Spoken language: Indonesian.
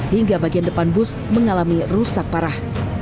hingga bagian depan bus mengalami rusak parah